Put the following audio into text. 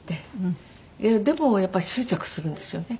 でもやっぱり執着するんですよね。